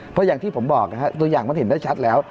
เพราะอย่างที่ผมบอกนะครับตัวอย่างมันเห็นได้ชัดแล้ว